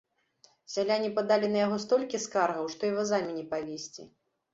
Сяляне падалі на яго столькі скаргаў, што і вазамі не павезці.